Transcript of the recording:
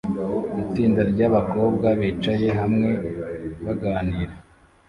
itsinda ryabakobwa bicaye hamwe baganira